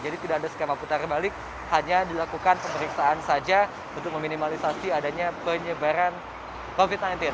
jadi tidak ada skema putar balik hanya dilakukan pemeriksaan saja untuk meminimalisasi adanya penyebaran covid sembilan belas